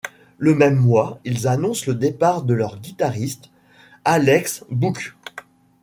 Le même mois, ils annoncent le départ de leur guitariste Alex Bouks.